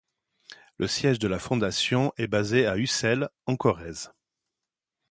Le siège de la fondation est basé à Ussel, en Corrèze.